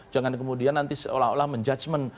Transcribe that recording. jangan kemudian nanti seolah olah menjudgement